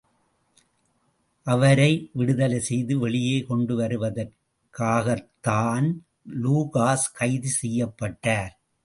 அவரை விடுதலை செய்து வெளியே கொண்டுவருவதற்காகத்தான் லூகாஸ் கைது செய்யப்பட்டார்.